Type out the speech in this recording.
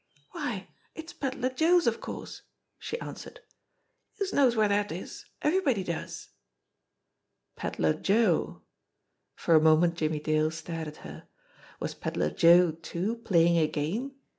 "Why, it's Pedler Joe's, of course !" she answered. "Yousa knows where dat is. Everybody does." Pedler Joe! For a moment Jimmie Dale stared at her. Was Pedler Joe, too, playing a gan.e?